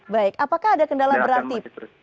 baik apakah ada kendala berarti